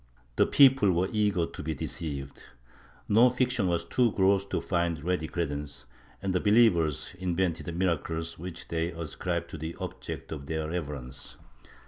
The people were eager to be deceived ; no fiction was too gross to find ready credence, and the believers invented miracles which they ascribed to the objects of their reverence.